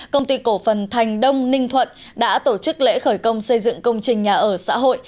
công ty cổ phần thành đông ninh thuận đã tổ chức lễ khởi công xây dựng công trình nhà ở xã hội